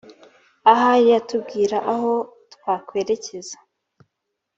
ahari yatubwira aho twakwerekeza